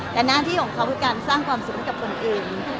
แต่หน้าที่ของเขาคือการสร้างความสุขให้กับคนอื่น